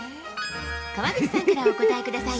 川口さんからお答えください。